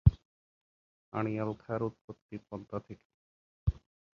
আড়িয়াল খাঁর উৎপত্তি পদ্মা থেকে।